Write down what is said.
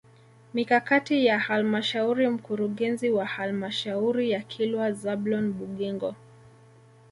Mikakati ya halmashauri Mkurugenzi wa Halmashauri ya Kilwa Zablon Bugingo